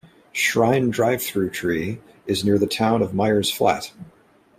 Shrine Drive-Thru Tree is near the town of Myers Flat.